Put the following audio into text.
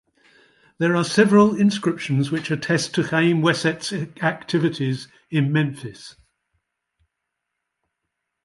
There are several inscriptions which attest to Khaemweset's activities in Memphis.